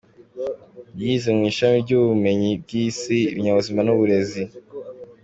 Yize mu ishami ry’Ubumenyi bw’Isi, Ibinyabuzima n’Uburezi.